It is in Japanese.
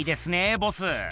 ボス。